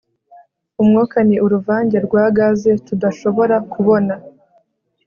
Umwuka ni uruvange rwa gaze tudashobora kubona